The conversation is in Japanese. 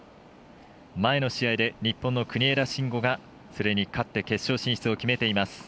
前の試合で日本の国枝慎吾が勝って決勝進出を決めています。